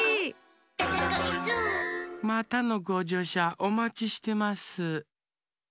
「デテコイス」またのごじょうしゃおまちしてます。